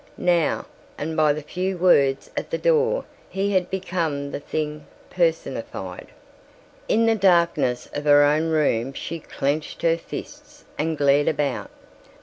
Now, and by the few words at the door, he had become the thing personified. In the darkness of her own room she clenched her fists and glared about.